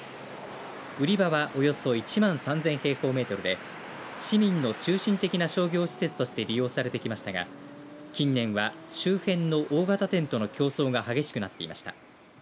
売り場は、およそ１万３０００平方メートルで市民の中心的な商業施設として利用されてきましたが近年は周辺の大型店との競争が激しくなっていました。